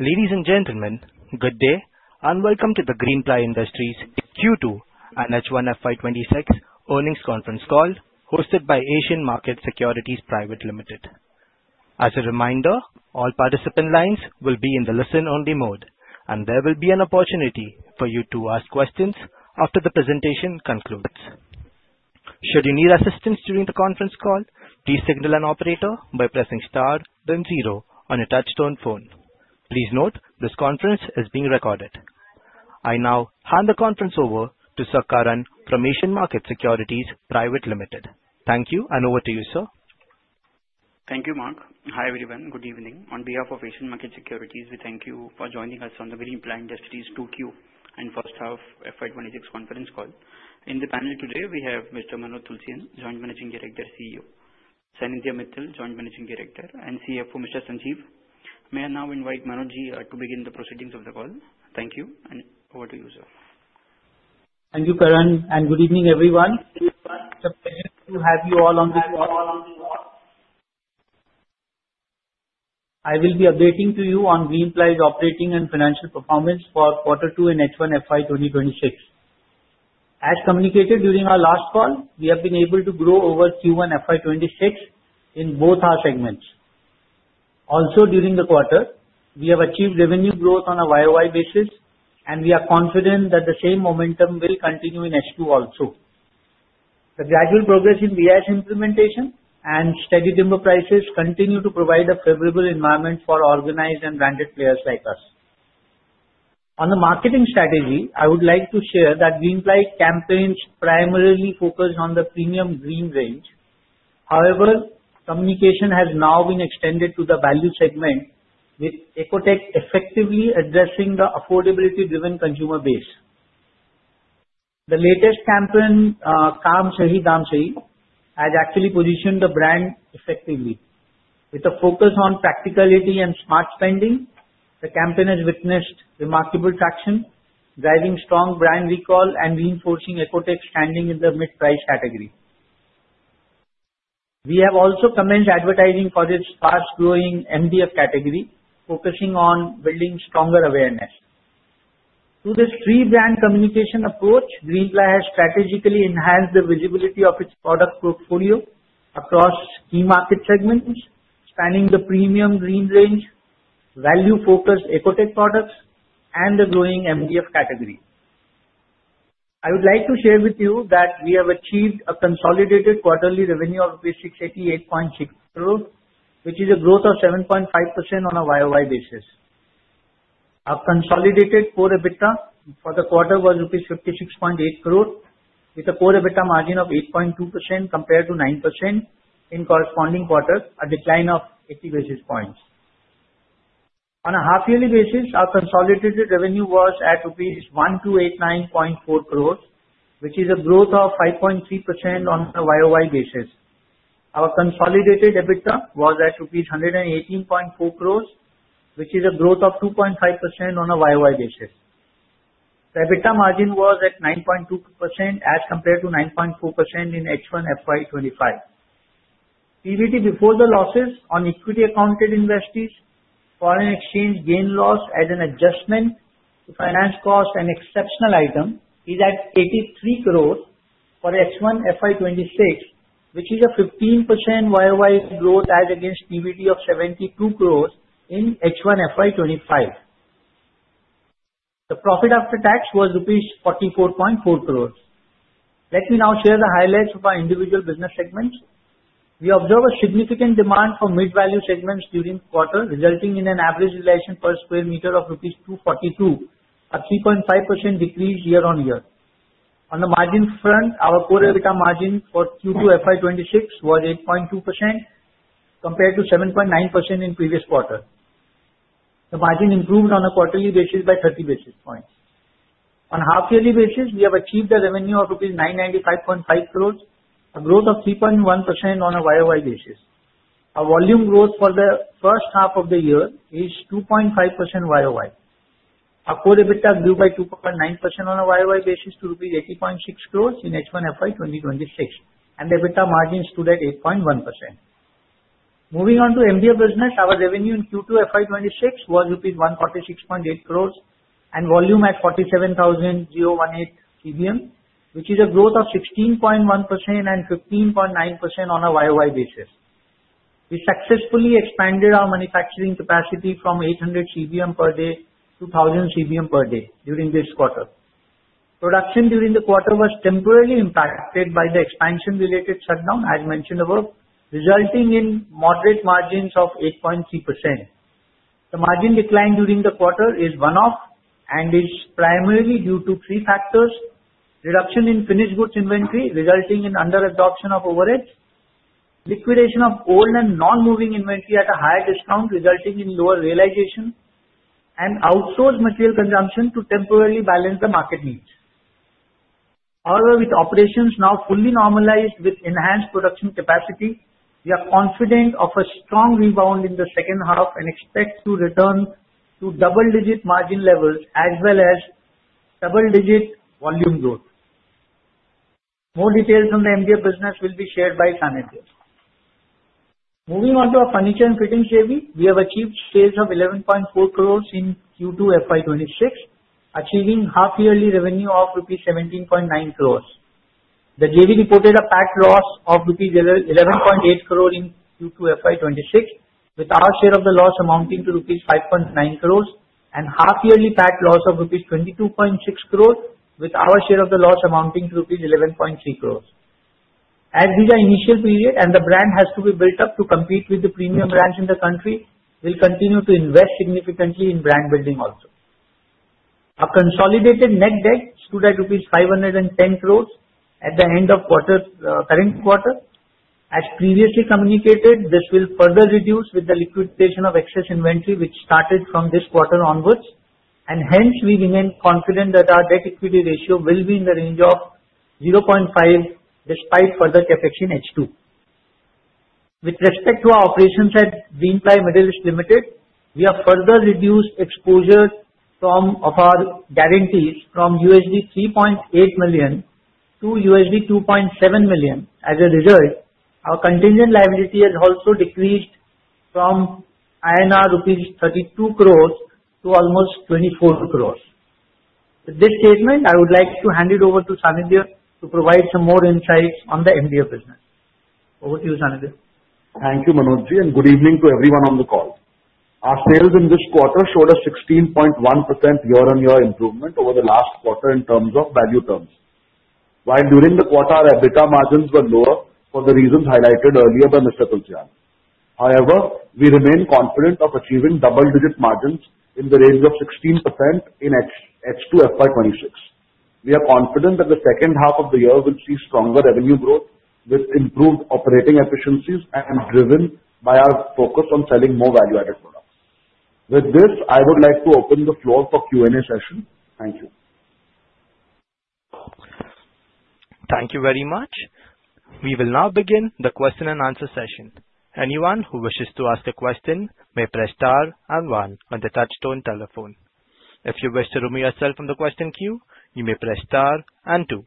Ladies and gentlemen, good day and welcome to the Greenply Industries Q2 and H1 FY26 earnings conference call hosted by Asian Markets Securities Private Limited. As a reminder, all participant lines will be in the listen-only mode, and there will be an opportunity for you to ask questions after the presentation concludes. Should you need assistance during the conference call, please signal an operator by pressing star then zero on your touch-tone phone. Please note this conference is being recorded. I now hand the conference over to Sir Karan from Asian Markets Securities Private Limited. Thank you, and over to you, sir. Thank you, Mark. Hi, everyone. Good evening. On behalf of Asian Markets Securities, we thank you for joining us on the Greenply Industries 2Q and first half FY26 conference call. In the panel today, we have Mr. Manoj Tulsian, Joint Managing Director, CEO, Sanidhya Mittal, Joint Managing Director, and CFO, Mr. Sanjiv. May I now invite Manoj to begin the proceedings of the call? Thank you, and over to you, sir. Thank you, Karan, and good evening, everyone. It's a pleasure to have you all on this call. I will be updating you on Greenply's operating and financial performance for quarter two and H1 FY 2026. As communicated during our last call, we have been able to grow over Q1 and FY26 in both our segments. Also, during the quarter, we have achieved revenue growth on a YoY basis, and we are confident that the same momentum will continue in H2 also. The gradual progress in BIS implementation and steady timber prices continue to provide a favorable environment for organized and branded players like us. On the marketing strategy, I would like to share that Greenply campaigns primarily focus on the premium green range. However, communication has now been extended to the value segment, with Ecotec effectively addressing the affordability-driven consumer base. The latest campaign, Kaam Sahi Daam Sahi, has actually positioned the brand effectively. With a focus on practicality and smart spending, the campaign has witnessed remarkable traction, driving strong brand recall and reinforcing Ecotec's standing in the mid-price category. We have also commenced advertising for its fast-growing MDF category, focusing on building stronger awareness. Through this three-brand communication approach, Greenply has strategically enhanced the visibility of its product portfolio across key market segments, spanning the premium green range, value-focused Ecotec products, and the growing MDF category. I would like to share with you that we have achieved a consolidated quarterly revenue of INR 688.6 crore, which is a growth of 7.5% on a YoY basis. Our consolidated core EBITDA for the quarter was rupees 56.8 crore, with a core EBITDA margin of 8.2% compared to 9% in corresponding quarters, a decline of 80 basis points. On a half-yearly basis, our consolidated revenue was at rupees 1289.4 crore, which is a growth of 5.3% on a YoY basis. Our consolidated EBITDA was at INR 118.4 crores, which is a growth of 2.5% on a YoY basis. The EBITDA margin was at 9.2% as compared to 9.4% in H1 FY25. PBT before the losses on equity-accounted investees, foreign exchange gain/loss, and an adjustment to finance costs, an exceptional item is at 83.00 crores for H1 FY26, which is a 15% YoY growth as against PBT of 72.00 crore in H1 FY25. The profit after tax was rupees 44.4 crore Let me now share the highlights of our individual business segments. We observed a significant demand for mid-value segments during the quarter, resulting in an average valuation per square meter of rupees 242, a 3.5% decrease year-on-year. On the margin front, our core EBITDA margin for Q2 FY26 was 8.2% compared to 7.9% in the previous quarter. The margin improved on a quarterly basis by 30 basis points. On a half-yearly basis, we have achieved a revenue of rupees 995.5 crores, a growth of 3.1% on a YoY basis. Our volume growth for the first half of the year is 2.5% YoY. Our core EBITDA grew by 2.9% on a YoY basis to rupees 80.6 crores in H1FY26, and the EBITDA margin stood at 8.1%. Moving on to MDF business, our revenue in 2Q FY26 was rupees 146.8 crores, and volume at 47,000,018 CBM, which is a growth of 16.1% and 15.9% on a YoY basis. We successfully expanded our manufacturing capacity from 800 CBM per day to 1,000 CBM per day during this quarter. Production during the quarter was temporarily impacted by the expansion-related shutdown, as mentioned above, resulting in moderate margins of 8.3%. The margin decline during the quarter is one-off and is primarily due to three factors: reduction in finished goods inventory, resulting in under-absorption of overheads, liquidation of old and non-moving inventory at a higher discount, resulting in lower realization, and outsourced material consumption to temporarily balance the market needs. However, with operations now fully normalized with enhanced production capacity, we are confident of a strong rebound in the second half and expect to return to double-digit margin levels as well as double-digit volume growth. More details on the MDF business will be shared by Sanidhya. Moving on to our furniture and fittings JV, we have achieved sales of 11.4 crores in Q2 FY26, achieving half-yearly revenue of rupees 17.9 crores. The JV reported a PAT loss of rupees 11.8 crore in Q2 FY26, with our share of the loss amounting to rupees 5.9 crores, and half-yearly PAT loss of rupees 22.6 crore, with our share of the loss amounting to rupees 11.3 crores. As these are initial periods and the brand has to be built up to compete with the premium brands in the country, we'll continue to invest significantly in brand building also. Our consolidated net debt stood at rupees 510 crores at the end of current quarter. As previously communicated, this will further reduce with the liquidation of excess inventory, which started from this quarter onwards, and hence we remain confident that our debt-equity ratio will be in the range of 0.5 despite further CapEx in H2. With respect to our operations at Greenply Middle East Limited, we have further reduced exposure of our guarantees from $3.8 million to $2.7 million. As a result, our contingent liability has also decreased from rupees 32 crores to almost 24 crores. With this statement, I would like to hand it over to Sanidhya to provide some more insights on the MDF business. Over to you, Sanidhya. Thank you, Manoj, and good evening to everyone on the call. Our sales in this quarter showed a 16.1% year-on-year improvement over the last quarter in terms of value terms, while during the quarter, our EBITDA margins were lower for the reasons highlighted earlier by Mr. Tulsian. However, we remain confident of achieving double-digit margins in the range of 16% in H2 FY26. We are confident that the second half of the year will see stronger revenue growth with improved operating efficiencies and driven by our focus on selling more value-added products. With this, I would like to open the floor for Q&A session. Thank you. Thank you very much. We will now begin the question and answer session. Anyone who wishes to ask a question may press star and one on the touch-tone telephone. If you wish to remove yourself from the question queue, you may press star and two.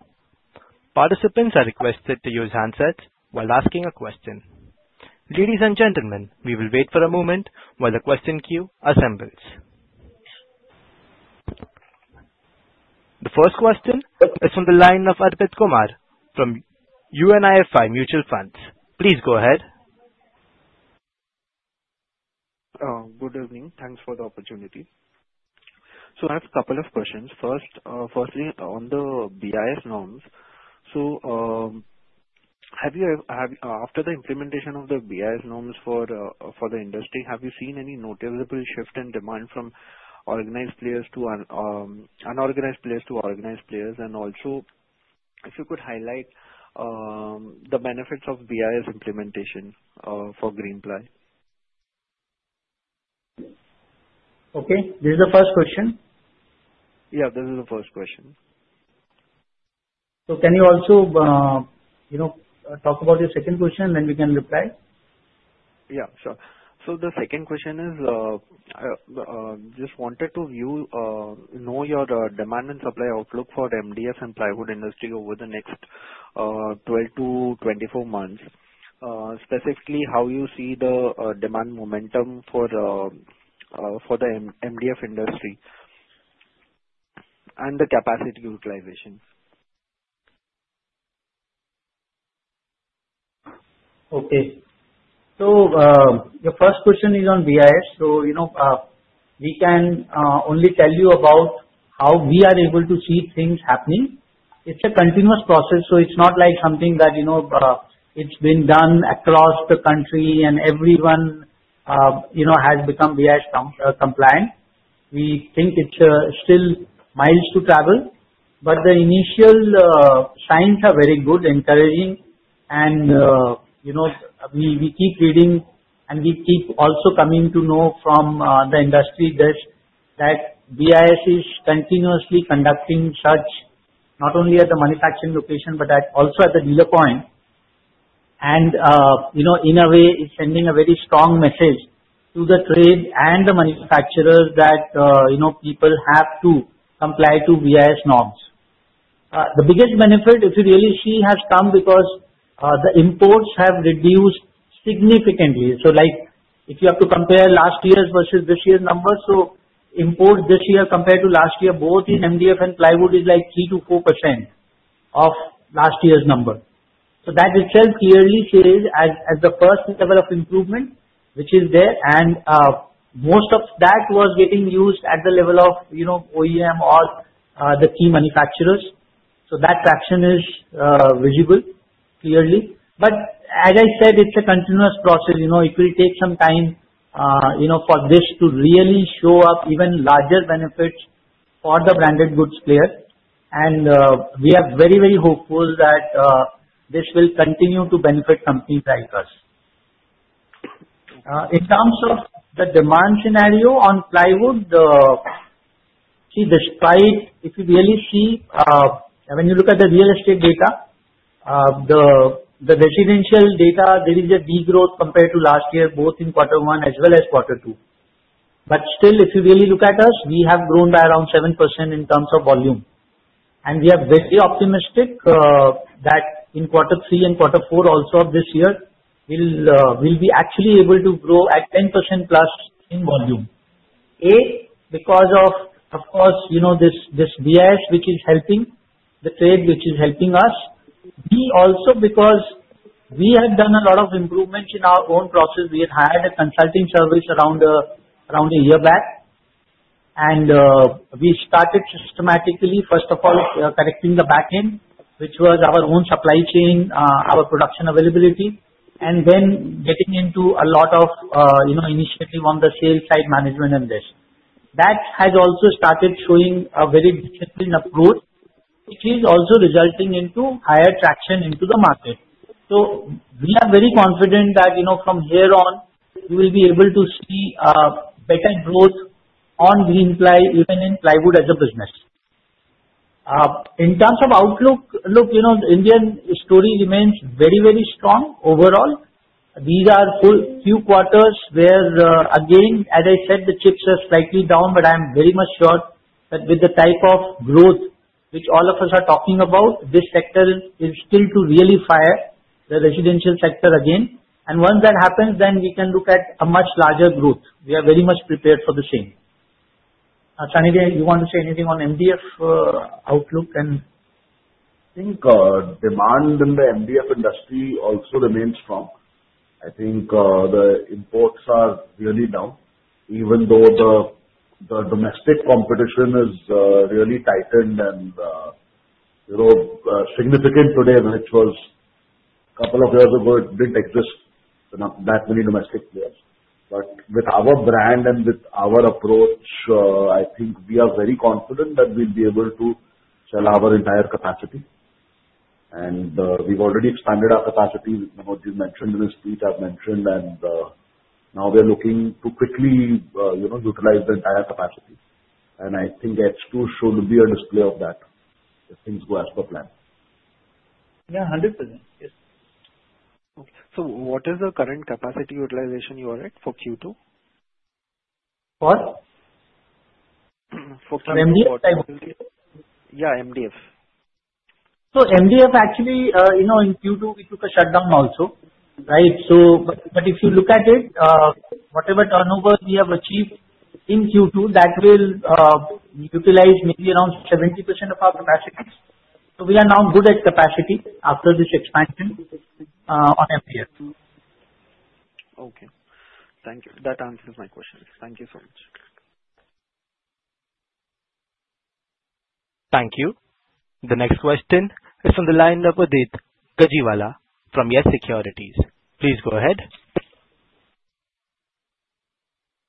Participants are requested to use handsets while asking a question. Ladies and gentlemen, we will wait for a moment while the question queue assembles. The first question is from the line of Arpit Kumar from Unifi Mutual Fund. Please go ahead. Good evening. Thanks for the opportunity. So I have a couple of questions. Firstly, on the BIS norms, so after the implementation of the BIS norms for the industry, have you seen any noticeable shift in demand from organized players to unorganized players to organized players? And also, if you could highlight the benefits of BIS implementation for Greenply. Okay. This is the first question? Yeah, this is the first question. So can you also talk about your second question, and then we can reply? Yeah, sure. So the second question is, I just wanted to know your demand and supply outlook for the MDF and plywood industry over the next 12-24 months, specifically how you see the demand momentum for the MDF industry and the capacity utilization? Okay. The first question is on BIS. We can only tell you about how we are able to see things happening. It's a continuous process, so it's not like something that it's been done across the country and everyone has become BIS compliant. We think it's still miles to travel, but the initial signs are very good, encouraging, and we keep reading and we keep also coming to know from the industry that BIS is continuously conducting such not only at the manufacturing location but also at the dealer point. In a way, it's sending a very strong message to the trade and the manufacturers that people have to comply with BIS norms. The biggest benefit, if you really see, has come because the imports have reduced significantly. So if you have to compare last year's versus this year's numbers, so imports this year compared to last year, both in MDF and plywood, is like 3%-4% of last year's number. So that itself clearly says as the first level of improvement, which is there, and most of that was getting used at the level of OEM or the key manufacturers. So that traction is visible clearly. But as I said, it's a continuous process. It will take some time for this to really show up, even larger benefits for the branded goods player. And we are very, very hopeful that this will continue to benefit companies like us. In terms of the demand scenario on plywood, see, despite, if you really see, when you look at the real estate data, the residential data, there is a degrowth compared to last year, both in quarter one as well as quarter two. But still, if you really look at us, we have grown by around 7% in terms of volume. And we are very optimistic that in quarter three and quarter four also of this year, we'll be actually able to grow at 10% plus in volume. A, because of, of course, this BIS, which is helping the trade, which is helping us. B, also because we have done a lot of improvements in our own process. We had hired a consulting service around a year back, and we started systematically, first of all, correcting the backend, which was our own supply chain, our production availability, and then getting into a lot of initiative on the sales side management and this. That has also started showing a very disciplined approach, which is also resulting in higher traction into the market. So we are very confident that from here on, we will be able to see better growth on Greenply, even in plywood as a business. In terms of outlook, look, Indian story remains very, very strong overall. These are few quarters where, again, as I said, the chips are slightly down, but I'm very much sure that with the type of growth which all of us are talking about, this sector is still to really fire the residential sector again. Once that happens, then we can look at a much larger growth. We are very much prepared for the same. Sanidhya, you want to say anything on MDF outlook and? I think demand in the MDF industry also remains strong. I think the imports are really down, even though the domestic competition is really tightened and significant today, which was a couple of years ago it didn't exist, that many domestic players, but with our brand and with our approach, I think we are very confident that we'll be able to sell our entire capacity, and we've already expanded our capacity. Manoj mentioned in his speech, I've mentioned, and now we're looking to quickly utilize the entire capacity, and I think H2 should be a display of that if things go as per plan. Yeah, 100%. Yes. So what is the current capacity utilization you are at for Q2? For? Yeah, MDF. So MDF, actually, in Q2, we took a shutdown also, right? But if you look at it, whatever turnover we have achieved in Q2, that will utilize maybe around 70% of our capacity. So we are now good at capacity after this expansion on MDF. Okay. Thank you. That answers my question. Thank you so much. Thank you. The next question is from the line of Udit Gajiwala from YES Securities. Please go ahead.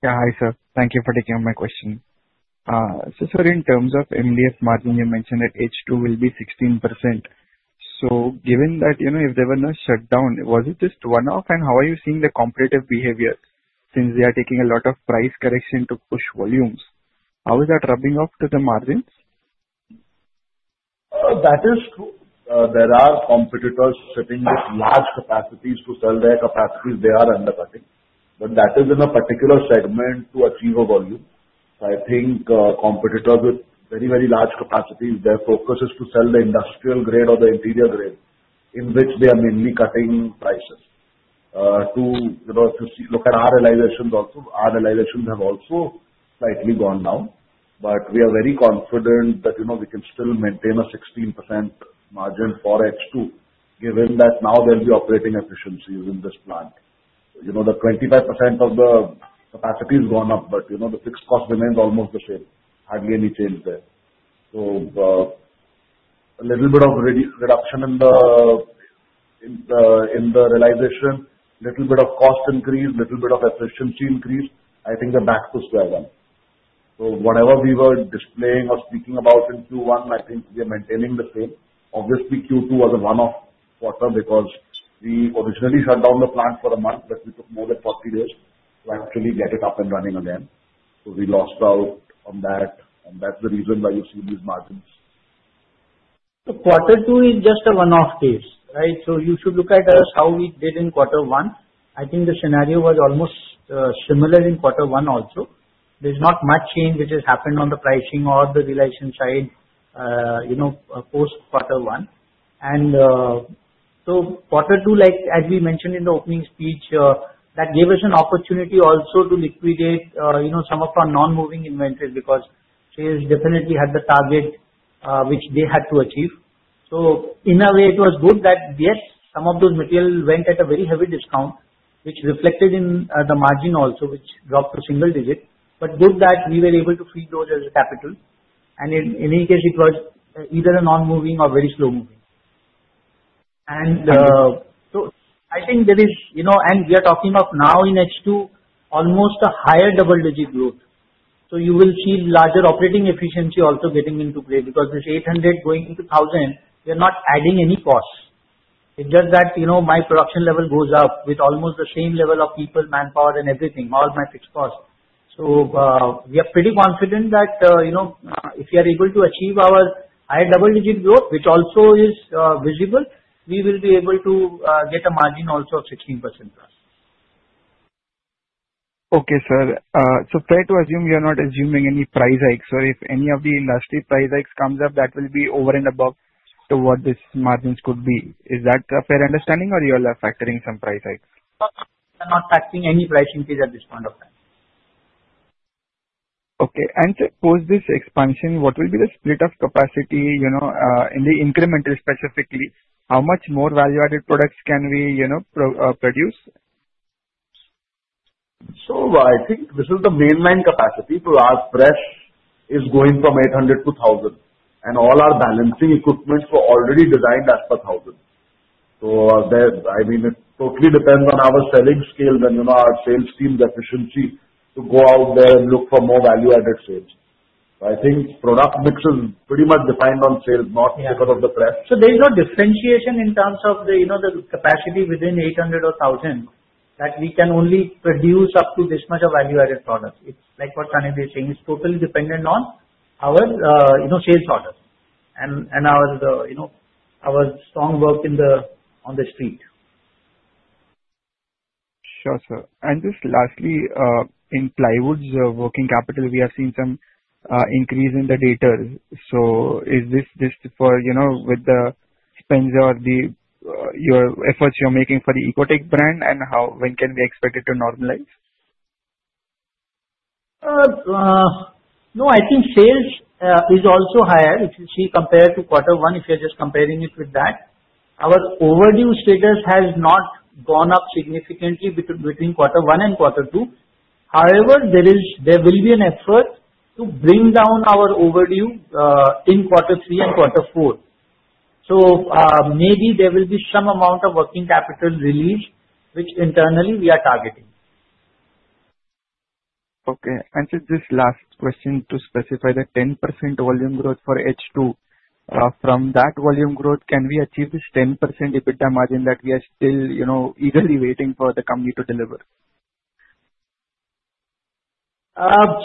Yeah, hi sir. Thank you for taking up my question. So sir, in terms of MDF margin, you mentioned that H2 will be 16%. So given that if there were no shutdown, was it just one-off? And how are you seeing the competitive behavior since they are taking a lot of price correction to push volumes? How is that rubbing off to the margins? That is true. There are competitors sitting with large capacities to sell their capacities; they are undercutting. But that is in a particular segment to achieve a volume. So I think competitors with very, very large capacities, their focus is to sell the industrial grade or the interior grade in which they are mainly cutting prices. To look at our realizations also, our realizations have also slightly gone down. But we are very confident that we can still maintain a 16% margin for H2, given that now there'll be operating efficiencies in this plant. The 25% of the capacity has gone up, but the fixed cost remains almost the same. Hardly any change there. So a little bit of reduction in the realization, a little bit of cost increase, a little bit of efficiency increase, I think they're back to square one. So whatever we were displaying or speaking about in Q1, I think we are maintaining the same. Obviously, Q2 was a one-off quarter because we originally shut down the plant for a month, but we took more than 40 days to actually get it up and running again. So we lost out on that, and that's the reason why you see these margins. Quarter two is just a one-off case, right? You should look at us how we did in quarter one. I think the scenario was almost similar in quarter one also. There's not much change which has happened on the pricing or the realization side post quarter one. Quarter two, as we mentioned in the opening speech, gave us an opportunity also to liquidate some of our non-moving inventory because sales definitely had the target which they had to achieve. In a way, it was good that, yes, some of those materials went at a very heavy discount, which reflected in the margin also, which dropped to single digit. Good that we were able to feed those as capital. In any case, it was either a non-moving or very slow moving. And so I think there is, and we are talking of now in H2, almost a higher double-digit growth. So you will see larger operating efficiency also getting into play because this 800 going into 1000, we are not adding any cost. It's just that my production level goes up with almost the same level of people, manpower, and everything, all my fixed costs. So we are pretty confident that if we are able to achieve our higher double-digit growth, which also is visible, we will be able to get a margin also of 16%. Okay, sir. So fair to assume you're not assuming any price hikes. So if any of the industry price hikes comes up, that will be over and above to what these margins could be. Is that a fair understanding, or you're factoring some price hikes? We are not factoring any price increase at this point of time. Okay. And to post this expansion, what will be the split of capacity in the incremental, specifically? How much more value-added products can we produce? So I think this is the main line capacity. So our press is going from 800 to 1000. And all our balancing equipment was already designed as per 1000. So I mean, it totally depends on our selling scale, then our sales team's efficiency to go out there and look for more value-added sales. So I think product mix is pretty much defined on sales, not because of the press. So there's no differentiation in terms of the capacity within 800 or 1000 that we can only produce up to this much of value-added products. It's like what Sanidhya is saying. It's totally dependent on our sales orders and our strong work on the street. Sure, sir. And just lastly, in plywood's working capital, we have seen some increase in the data. So is this just for with the spend or your efforts you're making for the Ecotec brand, and when can we expect it to normalize? No, I think sales is also higher, if you see, compared to quarter one, if you're just comparing it with that. Our overdue status has not gone up significantly between quarter one and quarter two. However, there will be an effort to bring down our overdue in quarter three and quarter four. So maybe there will be some amount of working capital release, which internally we are targeting. Okay, and just this last question to specify the 10% volume growth for H2. From that volume growth, can we achieve this 10% EBITDA margin that we are still eagerly waiting for the company to deliver?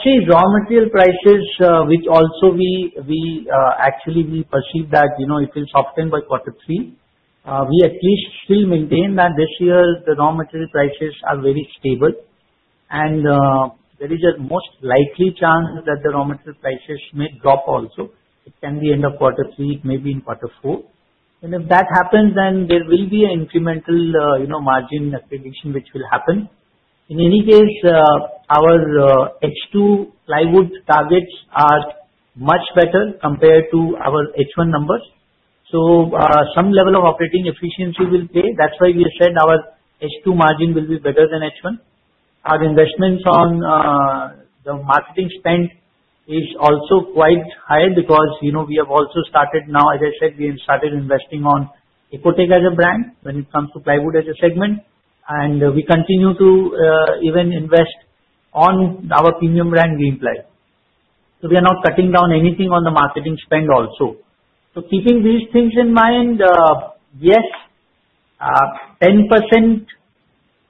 See, raw material prices, which also we actually perceive that it will soften by quarter three. We at least still maintain that this year the raw material prices are very stable. And there is a most likely chance that the raw material prices may drop also. It can be end of quarter three, maybe in quarter four. And if that happens, then there will be an incremental margin accretion which will happen. In any case, our H2 plywood targets are much better compared to our H1 numbers. So some level of operating efficiency will play. That's why we said our H2 margin will be better than H1. Our investments on the marketing spend is also quite high because we have also started now, as I said, we have started investing on Ecotec as a brand when it comes to plywood as a segment. And we continue to even invest on our premium brand, Greenply. So we are not cutting down anything on the marketing spend also. So keeping these things in mind, yes, 10%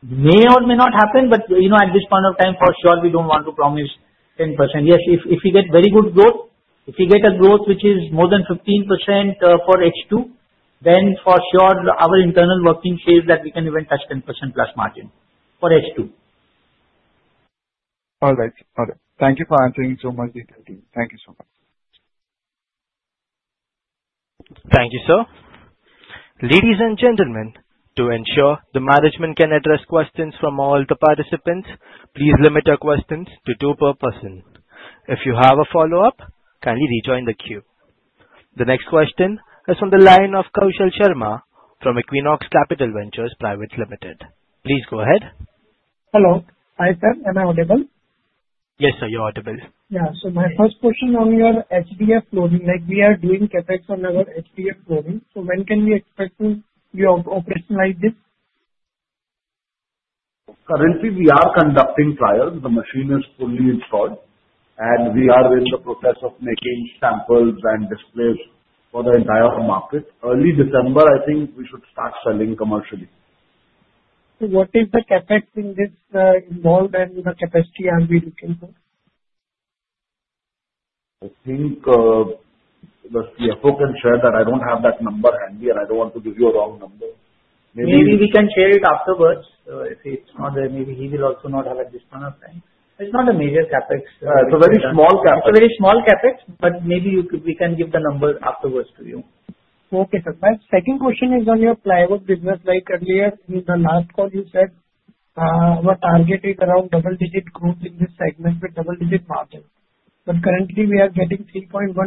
may or may not happen, but at this point of time, for sure, we don't want to promise 10%. Yes, if we get very good growth, if we get a growth which is more than 15% for H2, then for sure, our internal working says that we can even touch 10% plus margin for H2. All right. All right. Thank you for answering so much detail. Thank you so much. Thank you, sir. Ladies and gentlemen, to ensure the management can address questions from all the participants, please limit your questions to two per person. If you have a follow-up, kindly rejoin the queue. The next question is from the line of Kaushal Sharma from Equinox Capital Ventures Private Limited. Please go ahead. Hello. Hi, sir. Am I audible? Yes, sir. You're audible. Yeah. So my first question on your HDF flooring, like we are doing CapEx on our HDF flooring. So when can we expect to operationalize this? Currently, we are conducting trials. The machine is fully installed, and we are in the process of making samples and displays for the entire market. Early December, I think we should start selling commercially. So what is the CapEx in this involved, and the capacity are we looking for? I think the CFO can share that. I don't have that number handy, and I don't want to give you a wrong number. Maybe we can share it afterwards. If it's not there, maybe he will also not have at this point of time. It's not a major CapEx. It's a very small CapEx. It's a very small CapEx, but maybe we can give the number afterwards to you. Okay, sir. My second question is on your plywood business. Like earlier in the last call, you said our target is around double-digit growth in this segment with double-digit margin. But currently, we are getting 3.1%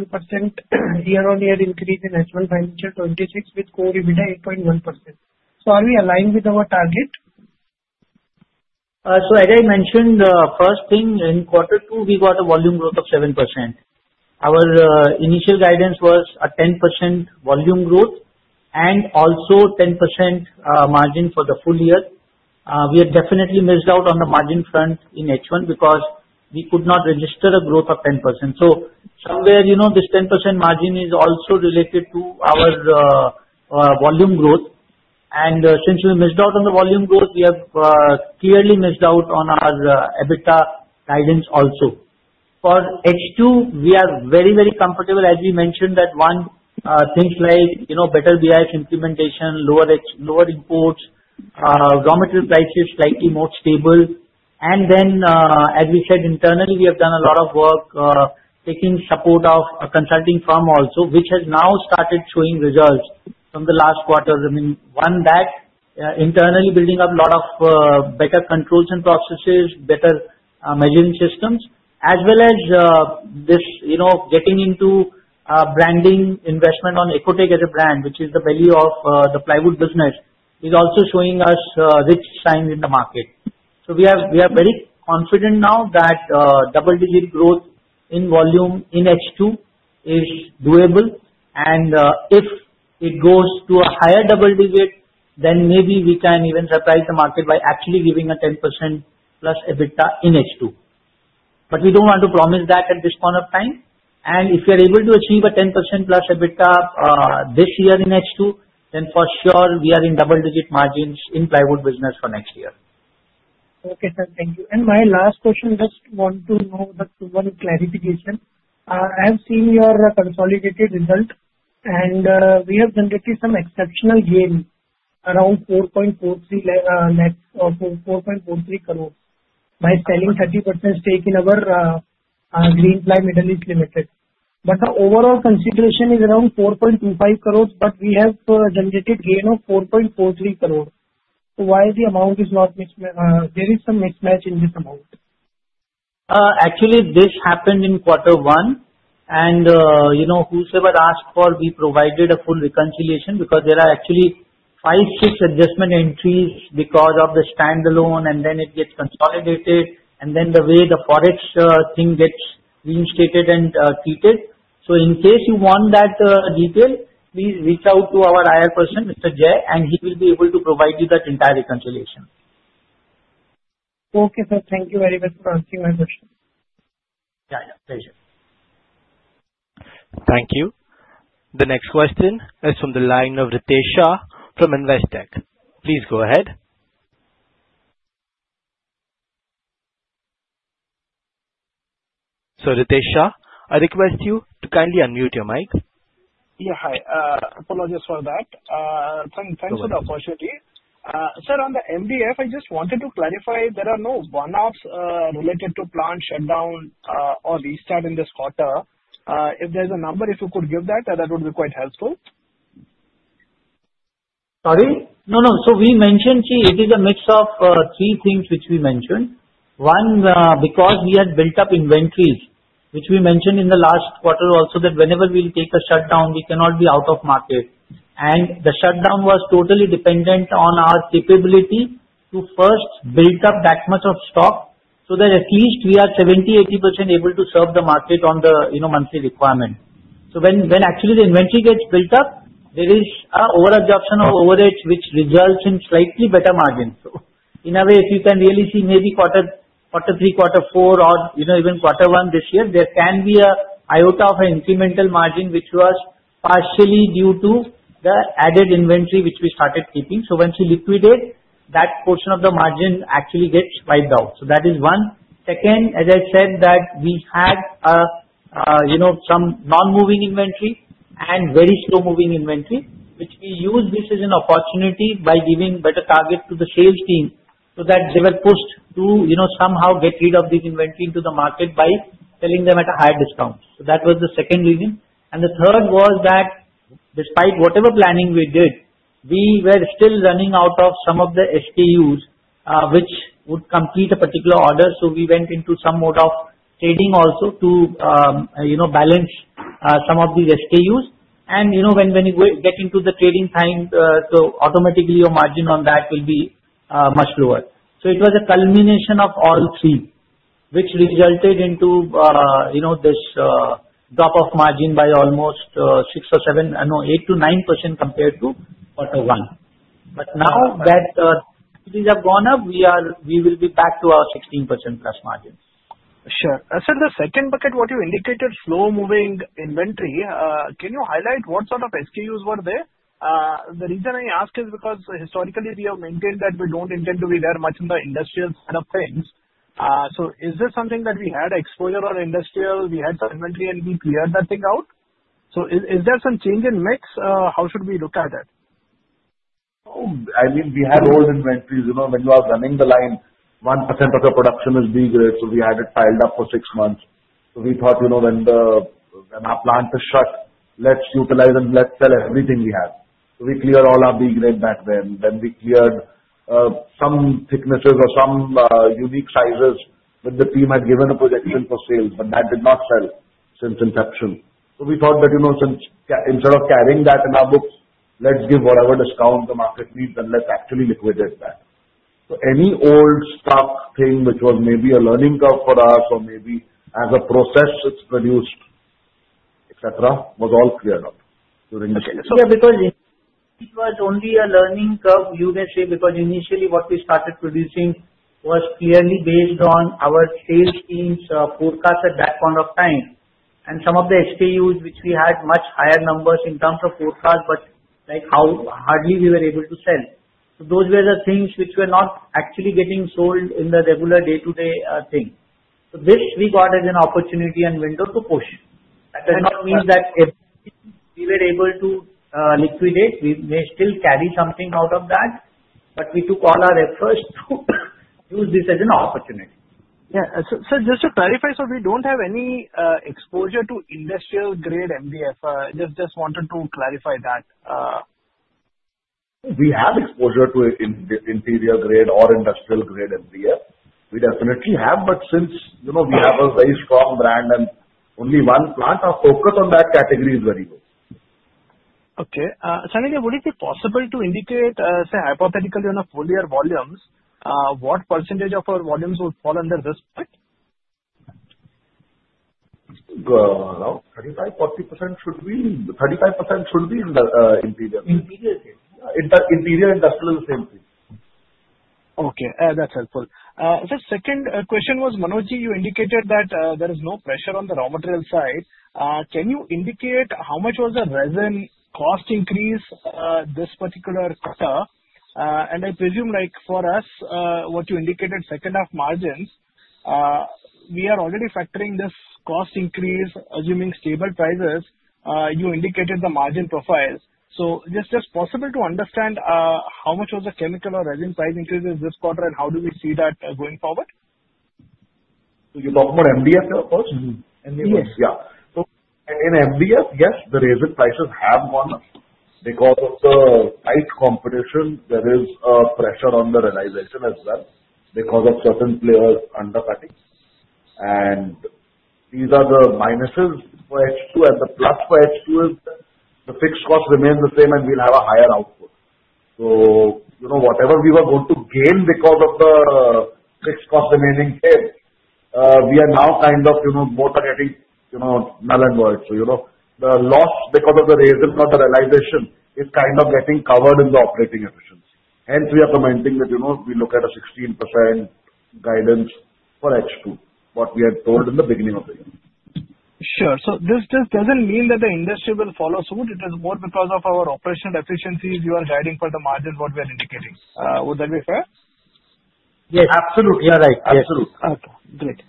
year-on-year increase in H1 FY26 with core EBITDA 8.1%. So are we aligned with our target? So as I mentioned, first thing, in quarter two, we got a volume growth of 7%. Our initial guidance was a 10% volume growth and also 10% margin for the full year. We have definitely missed out on the margin front in H1 because we could not register a growth of 10%. So somewhere, this 10% margin is also related to our volume growth. And since we missed out on the volume growth, we have clearly missed out on our EBITDA guidance also. For H2, we are very, very comfortable, as we mentioned, that one things like better BIS implementation, lower imports, raw material prices slightly more stable. And then, as we said, internally, we have done a lot of work taking support of a consulting firm also, which has now started showing results from the last quarter. I mean, one that internally building up a lot of better controls and processes, better measuring systems, as well as this getting into branding investment on Ecotec as a brand, which is the value of the plywood business, is also showing us right signs in the market. So we are very confident now that double-digit growth in volume in H2 is doable. And if it goes to a higher double-digit, then maybe we can even surprise the market by actually giving a 10% plus EBITDA in H2. But we don't want to promise that at this point of time. And if we are able to achieve a 10% plus EBITDA this year in H2, then for sure, we are in double-digit margins in plywood business for next year. Okay, sir. Thank you. And my last question, just want to know one clarification. I have seen your consolidated result, and we have generated some exceptional gain around 4.43 crores by selling 30% stake in our Greenply Middle East Limited. But the overall consideration is around 4.25 crores, but we have generated gain of 4.43 crores. So why the amount is not mixed? There is some mismatch in this amount. Actually, this happened in quarter one, and whosoever asked for, we provided a full reconciliation because there are actually five, six adjustment entries because of the standalone, and then it gets consolidated, and then the way the forex thing gets reinstated and treated, so in case you want that detail, please reach out to our IR person, Mr. Jain, and he will be able to provide you that entire reconciliation. Okay, sir. Thank you very much for answering my question. Yeah, yeah. Pleasure. Thank you. The next question is from the line of Ritesh Shah from Investec. Please go ahead. So, Ritesh Shah, I request you to kindly unmute your mic. Yeah, hi. Apologies for that. Thanks for the opportunity. Sir, on the MDF, I just wanted to clarify, there are no one-offs related to plant shutdown or restart in this quarter. If there's a number, if you could give that, that would be quite helpful. Sorry? No, no. So we mentioned it is a mix of three things which we mentioned. One, because we had built up inventories, which we mentioned in the last quarter also, that whenever we take a shutdown, we cannot be out of market. And the shutdown was totally dependent on our capability to first build up that much of stock so that at least we are 70%-80% able to serve the market on the monthly requirement. So when actually the inventory gets built up, there is an overabsorption of overheads which results in slightly better margins. So in a way, if you can really see maybe quarter three, quarter four, or even quarter one this year, there can be an iota of an incremental margin which was partially due to the added inventory which we started keeping. So when we liquidate, that portion of the margin actually gets wiped out. So that is one. Second, as I said, that we had some non-moving inventory and very slow moving inventory, which we used this as an opportunity by giving better target to the sales team so that they were pushed to somehow get rid of this inventory into the market by selling them at a higher discount. So that was the second reason. And the third was that despite whatever planning we did, we were still running out of some of the SKUs which would complete a particular order. So we went into some mode of trading also to balance some of these SKUs. And when you get into the trading time, so automatically your margin on that will be much lower. It was a culmination of all three, which resulted in this drop of margin by almost six or seven, no, 8%-9% compared to quarter one. But now that these have gone up, we will be back to our 16% plus margin. Sure. Sir, the second bucket, what you indicated, slow moving inventory, can you highlight what sort of SKUs were there? The reason I ask is because historically we have maintained that we don't intend to be there much in the industrial kind of things. So is this something that we had exposure on industrial? We had some inventory and we cleared that thing out. So is there some change in mix? How should we look at it? Oh, I mean, we had old inventories. When you are running the line, 1% of the production is B grade. So we had it piled up for six months. So we thought when our plant is shut, let's utilize and let's sell everything we have. So we cleared all our B grade back then. Then we cleared some thicknesses or some unique sizes when the team had given a projection for sales, but that did not sell since inception. So we thought that instead of carrying that in our books, let's give whatever discount the market needs and let's actually liquidate that. So any old stock thing which was maybe a learning curve for us or maybe as a process it's produced, etc., was all cleared up during the. Yeah, because it was only a learning curve, you may say, because initially what we started producing was clearly based on our sales team's forecast at that point of time. And some of the SKUs which we had much higher numbers in terms of forecast, but we hardly were able to sell. So those were the things which were not actually getting sold in the regular day-to-day thing. So this we got as an opportunity and window to push. not mean that we were able to liquidate. We may still carry something out of that, but we took all our efforts to use this as an opportunity. Yeah. Sir, just to clarify, so we don't have any exposure to industrial grade MDF? I just wanted to clarify that. We have exposure to interior grade or industrial grade MDF. We definitely have, but since we have a very strong brand and only one plant, our focus on that category is very low. Okay. Sir, would it be possible to indicate, say, hypothetically, on a full year volumes, what percentage of our volumes would fall under this part? Around 35%-40% should be in the interior. Interior grade? Interior and Industrial is the same thing. Okay. That's helpful. The second question was, Manoj, you indicated that there is no pressure on the raw material side. Can you indicate how much was the resin cost increase this particular quarter? And I presume for us, what you indicated, second half margins, we are already factoring this cost increase, assuming stable prices. You indicated the margin profile. So is it possible to understand how much was the chemical or resin price increase this quarter and how do we see that going forward? You talk about MDF, of course? Yes. Yeah, so in MDF, yes, the resin prices have gone up. Because of the tight competition, there is pressure on the realization as well because of certain players undercutting, and these are the minuses for H2, and the plus for H2 is the fixed cost remains the same, and we'll have a higher output, so whatever we were going to gain because of the fixed cost remaining there, we are now kind of both are getting null and void, so the loss because of the resin, not the realization, is kind of getting covered in the operating efficiency. Hence, we are commenting that we look at a 16% guidance for H2, what we had told in the beginning of the year. Sure. So this just doesn't mean that the industry will follow suit. It is more because of our operational efficiencies you are guiding for the margins what we are indicating. Would that be fair? Yes. Absolutely. You are right. Absolutely. Okay. Great.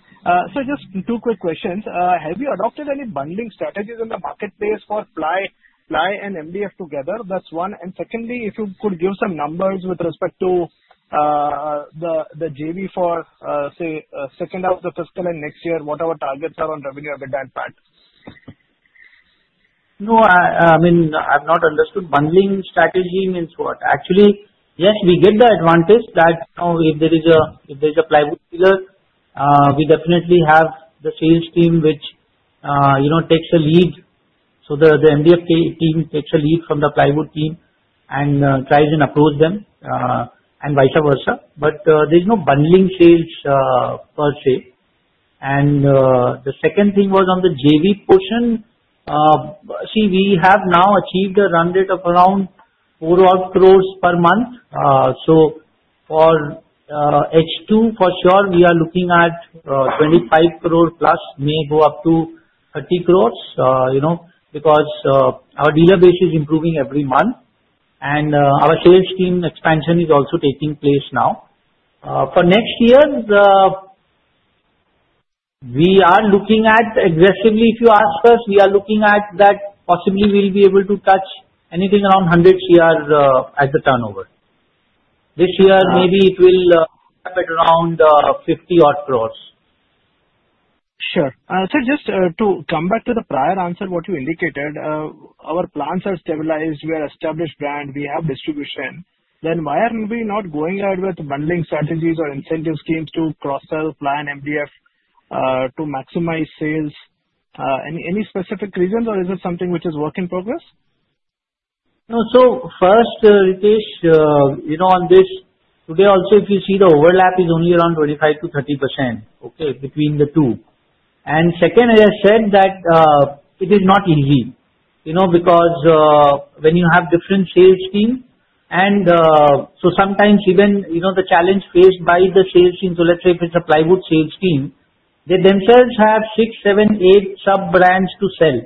Sir, just two quick questions. Have you adopted any bundling strategies in the marketplace for ply and MDF together? That's one. And secondly, if you could give some numbers with respect to the JV for, say, second half of the fiscal and next year, what our targets are on revenue EBITDA and PAT? No, I mean, I've not understood. Bundling strategy means what? Actually, yes, we get the advantage that if there is a plywood dealer, we definitely have the sales team which takes a lead. So the MDF team takes a lead from the plywood team and tries and approach them and vice versa. But there's no bundling sales per se. And the second thing was on the JV portion. See, we have now achieved a run rate of around 4 crores per month. So for H2, for sure, we are looking at 25 crore plus, may go up to 30 crores because our dealer base is improving every month. And our sales team expansion is also taking place now. For next year, we are looking at aggressively, if you ask us, we are looking at that possibly we'll be able to touch anything around 100 crore at the turnover. This year, maybe it will be around 50 crores. Sure. Sir, just to come back to the prior answer, what you indicated, our plants are stabilized, we are an established brand, we have distribution. Then why aren't we not going ahead with bundling strategies or incentive schemes to cross-sell ply and MDF to maximize sales? Any specific reasons, or is it something which is work in progress? No. So first, Ritesh, on this, today also, if you see the overlap is only around 25%-30%, okay, between the two. And second, as I said, that it is not easy because when you have different sales teams, and so sometimes even the challenge faced by the sales team, so let's say if it's a plywood sales team, they themselves have six, seven, eight sub-brands to sell.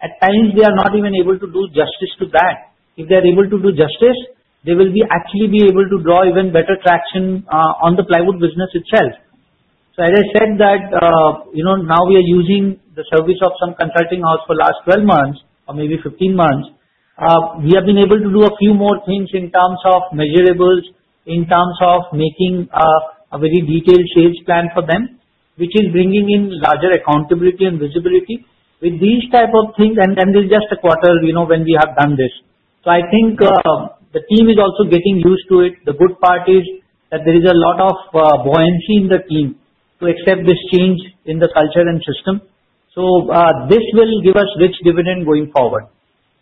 At times, they are not even able to do justice to that. If they are able to do justice, they will actually be able to draw even better traction on the plywood business itself. So as I said, that now we are using the service of some consulting hours for the last 12 months or maybe 15 months. We have been able to do a few more things in terms of measurables, in terms of making a very detailed sales plan for them, which is bringing in larger accountability and visibility with these type of things, and then there's just a quarter when we have done this, so I think the team is also getting used to it. The good part is that there is a lot of buoyancy in the team to accept this change in the culture and system, so this will give us rich dividend going forward.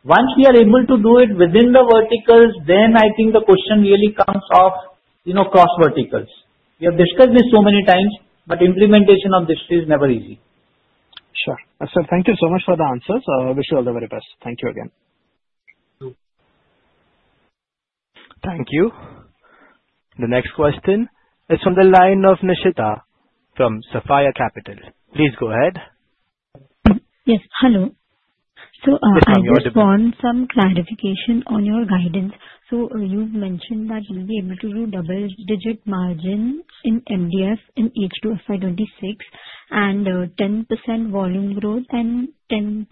Once we are able to do it within the verticals, then I think the question really comes off cross verticals. We have discussed this so many times, but implementation of this is never easy. Sure. Sir, thank you so much for the answers. I wish you all the very best. Thank you again. Thank you. Thank you. The next question is from the line of Nishita from Sapphire Capital. Please go ahead. Yes. Hello, so I just want some clarification on your guidance. So you've mentioned that you'll be able to do double-digit margin in MDF in H2 FY26 and 10% volume growth and 10%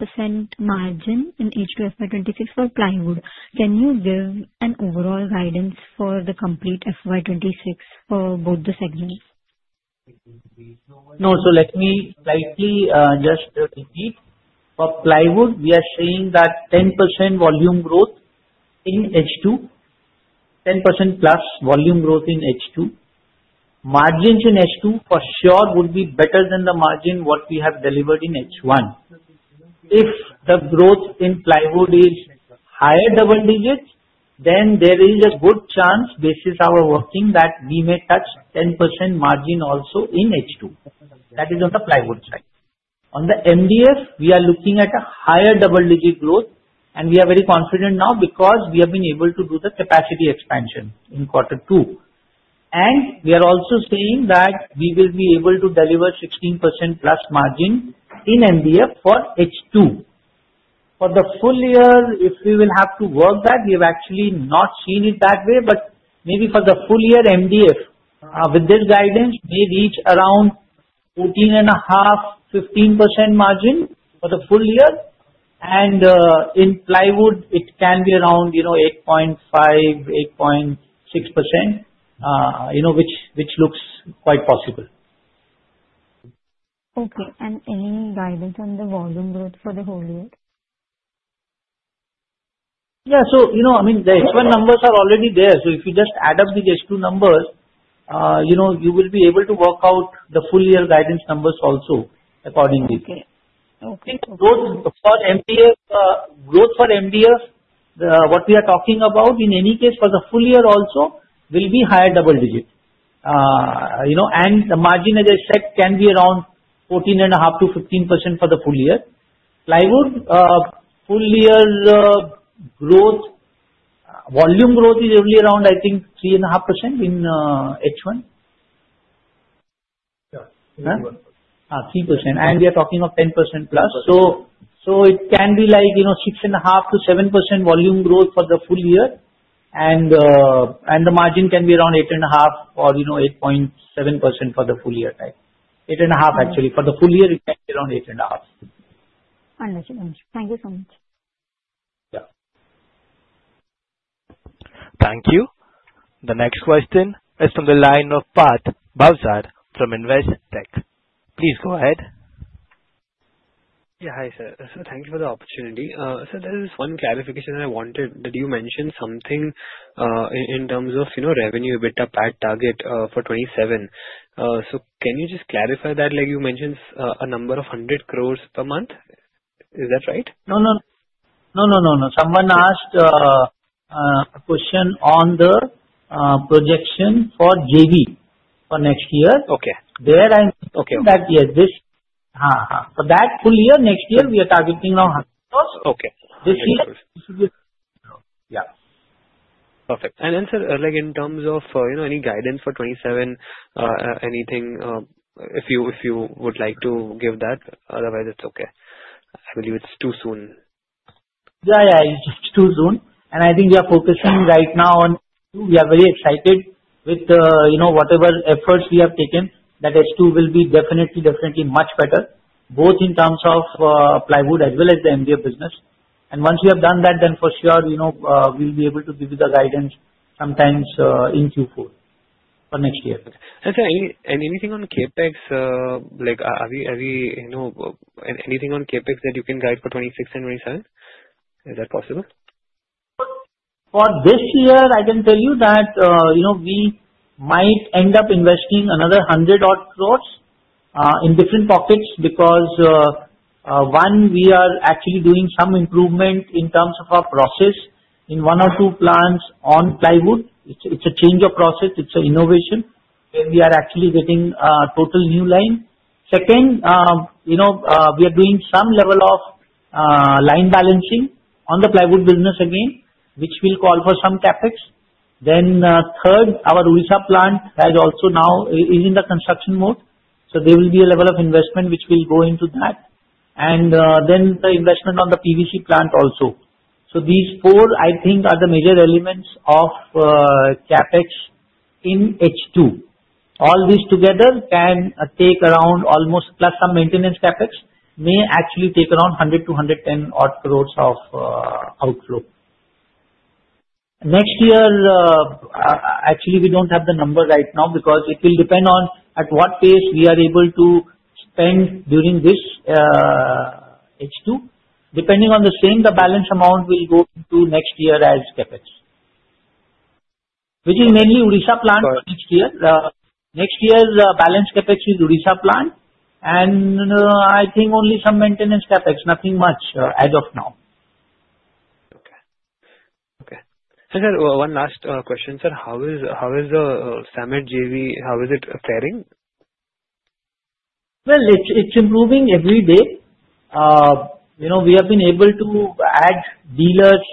margin in H2 FY26 for plywood. Can you give an overall guidance for the complete FY26 for both the segments? No. So let me slightly just repeat. For plywood, we are seeing 10% volume growth in H2, 10% plus volume growth in H2. Margins in H2 for sure would be better than the margin what we have delivered in H1. If the growth in plywood is higher double-digit, then there is a good chance, based on our working, that we may touch 10% margin also in H2. That is on the plywood side. On the MDF, we are looking at a higher double-digit growth, and we are very confident now because we have been able to do the capacity expansion in quarter two, and we are also saying that we will be able to deliver 16% plus margin in MDF for H2. For the full year, if we will have to work that, we have actually not seen it that way, but maybe for the full year, MDF with this guidance may reach around 14.5%-15% margin for the full year, and in plywood, it can be around 8.5%-8.6%, which looks quite possible. Okay. And any guidance on the volume growth for the whole year? Yeah. So I mean, the H1 numbers are already there. So if you just add up these H2 numbers, you will be able to work out the full year guidance numbers also accordingly. Okay. Okay. Growth for MDF, what we are talking about, in any case, for the full year also will be higher double-digit. And the margin, as I said, can be around 14.5%-15% for the full year. Plywood full year growth, volume growth is only around, I think, 3.5% in H1. Yeah. 3.5%. 3%. And we are talking of 10% plus. So it can be like 6.5-7% volume growth for the full year, and the margin can be around 8.5% or 8.7% for the full year. 8.5%, actually. For the full year, it can be around 8.5%. Understood. Thank you so much. Yeah. Thank you. The next question is from the line of Parth Bhavsar from Investec. Please go ahead. Yeah. Hi, sir. So thank you for the opportunity. Sir, there is one clarification I wanted. You mentioned something in terms of revenue, EBITDA, PAT target for 2027. So can you just clarify that? You mentioned a number of 100 crores per month. Is that right? No, no, no. No, no, no, no. Someone asked a question on the projection for JV for next year. Okay. I think that, yes, this. For that full year, next year, we are targeting now INR 100 crores. Okay. Perfect. This year, we should be at INR 100 crores. Yeah. Perfect. And then, sir, in terms of any guidance for '27, anything, if you would like to give that. Otherwise, it's okay. I believe it's too soon. Yeah, yeah. It's too soon. And I think we are focusing right now on H2. We are very excited with whatever efforts we have taken that H2 will be definitely, definitely much better, both in terms of plywood as well as the MDF business. And once we have done that, then for sure, we'll be able to give you the guidance sometime in Q4 for next year. Anything on CapEx? Anything on CapEx that you can guide for 2026 and 2027? Is that possible? For this year, I can tell you that we might end up investing another 100 crores in different pockets because, one, we are actually doing some improvement in terms of our process in one or two plants on plywood. It's a change of process. It's an innovation where we are actually getting a total new line. Second, we are doing some level of line balancing on the plywood business again, which will call for some CapEx. Then third, our Odisha plant is also now in the construction mode. So there will be a level of investment which will go into that. And then the investment on the PVC plant also. So these four, I think, are the major elements of CapEx in H2. All these together can take around almost, plus some maintenance CapEx, may actually take around 100 crores-110 crores of outflow. Next year, actually, we don't have the number right now because it will depend on at what pace we are able to spend during this H2. Depending on the same, the balance amount will go to next year as CapEx, which is mainly Odisha plant for next year. Next year, the balance CapEx is Odisha plant, and I think only some maintenance CapEx, nothing much as of now. Okay. Okay. Sir, one last question. Sir, how is the Samet JV? How is it faring? It's improving every day. We have been able to add dealers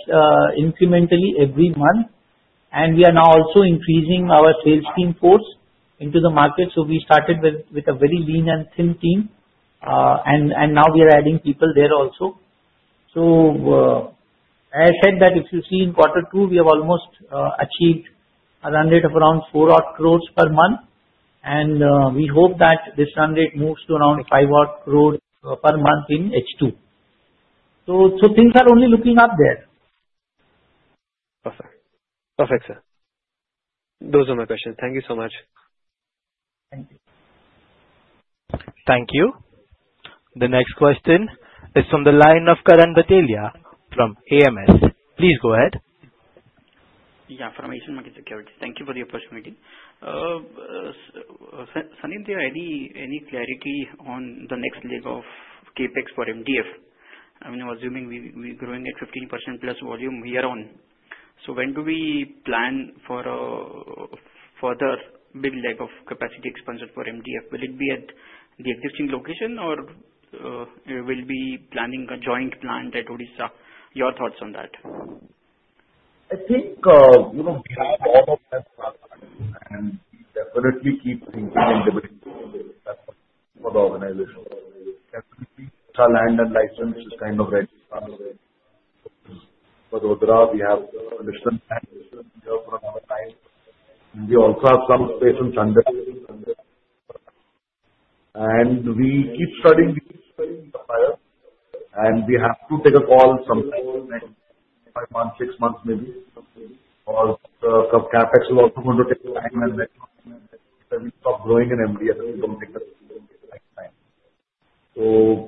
incrementally every month, and we are now also increasing our sales team force into the market. So we started with a very lean and thin team, and now we are adding people there also. So as I said, that if you see in quarter two, we have almost achieved a run rate of around 4 crores per month, and we hope that this run rate moves to around 5-6 crores per month in H2. So things are only looking up there. Perfect. Perfect, sir. Those are my questions. Thank you so much. Thank you. Thank you. The next question is from the line of Karan Bhatelia from AMS. Please go ahead. Yeah. Asian Markets Securities. Thank you for the opportunity. Sanidhya, any clarity on the next leg of CapEx for MDF? I mean, I'm assuming we're growing at 15% plus volume year-on. So when do we plan for a further big leg of capacity expansion for MDF? Will it be at the existing location, or will we be planning a joint plant at Odisha? Your thoughts on that? I think [we have all of that in our mind], and we definitely keep thinking in [different ways] for the organization. Definitely, our land and license is kind of ready. For the [Odisha], we have additional time here for another nine. We also have some space on hand, and we keep studying the [compiler], and we have to take a call sometime in five months, six months maybe, because CapEx is also going to take time, and then we stop growing in MDF and we don't take the next time, so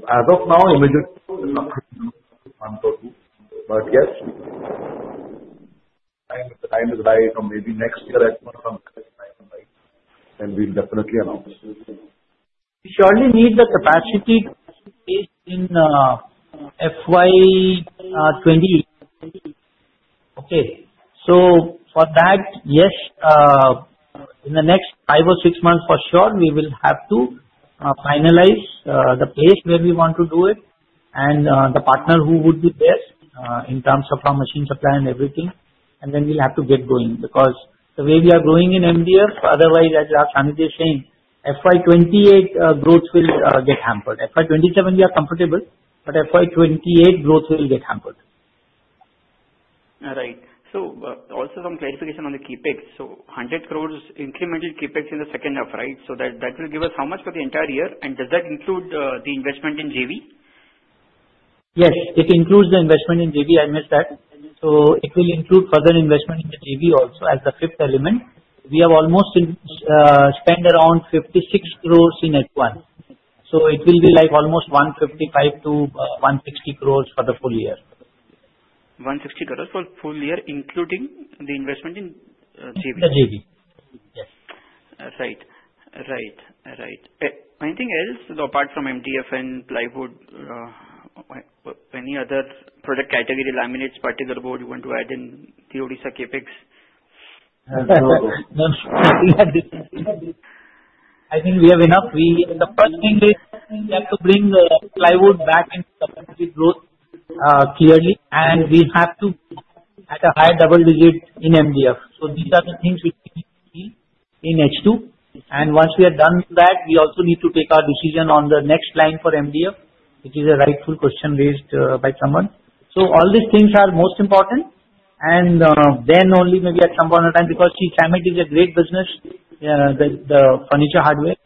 as of now, immediately in a month or two, but yes, if the time is right, or maybe next year at some time is right, then we'll definitely announce. We surely need the capacity based in FY28. Okay. So for that, yes, in the next five or six months, for sure, we will have to finalize the place where we want to do it and the partner who would be best in terms of our machine supply and everything. And then we'll have to get going because the way we are growing in MDF, otherwise, as Sanidhya is saying, FY28 growth will get hampered. FY27, we are comfortable, but FY28 growth will get hampered. Right. So also some clarification on the CapEx. So 100 crores incremental CapEx in the second half, right? So that will give us how much for the entire year? And does that include the investment in JV? Yes. It includes the investment in JV. I missed that. So it will include further investment in the JV also as the fifth element. We have almost spent around 56 crores in H1. So it will be like almost 155-160 crores for the full year. 160 crores for the full year, including the investment in JV? The JV. Yes. Right. Right. Right. Anything else apart from MDF and plywood? Any other product category, laminates, particle board you want to add in the Odisha CapEx? No. No. I think we have enough. The first thing is we have to bring plywood back into the company growth clearly, and we have to at a high double digit in MDF. So these are the things we need to do in H2. And once we are done with that, we also need to take our decision on the next line for MDF, which is a rightful question raised by someone. So all these things are most important, and then only maybe at some point in time, because see, Samet is a great business, the furniture hardware,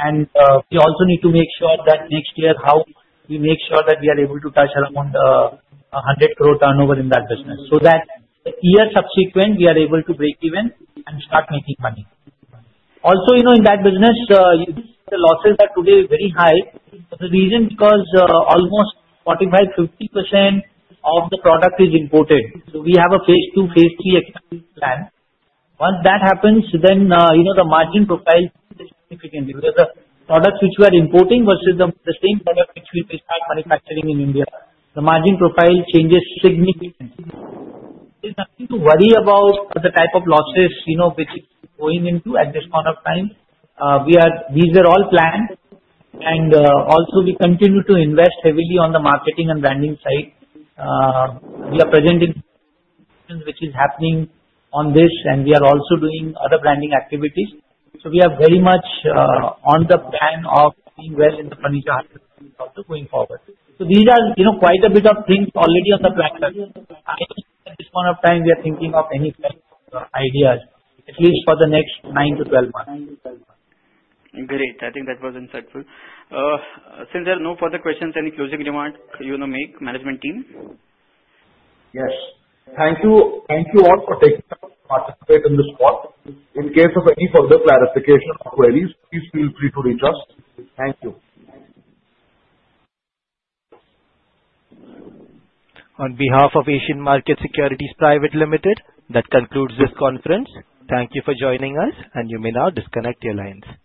and we also need to make sure that next year how we make sure that we are able to touch around 100 crore turnover in that business so that the year subsequent we are able to break even and start making money. Also, in that business, the losses are today very high. The reason because almost 45%-50% of the product is imported. So we have a phase two, phase three expansion plan. Once that happens, then the margin profile changes significantly because the products which we are importing versus the same product which we start manufacturing in India, the margin profile changes significantly. There's nothing to worry about the type of losses which we're going into at this point of time. These are all planned, and also we continue to invest heavily on the marketing and branding side. We are present in which is happening on this, and we are also doing other branding activities. So we are very much on the plan of being well in the furniture hardware business also going forward. So these are quite a bit of things already on the plan. I think at this point of time, we are thinking of any kind of ideas, at least for the next nine to 12 months. Great. I think that was insightful. Sir, no further questions. Any closing remark you want to make, management team? Yes. Thank you all for taking part in this call. In case of any further clarification or queries, please feel free to reach us. Thank you. On behalf of Asian Markets Securities Private Limited, that concludes this conference. Thank you for joining us, and you may now disconnect your lines.